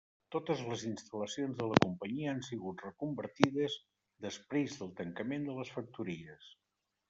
Totes les instal·lacions de la companyia han sigut reconvertides després del tancament de les factories.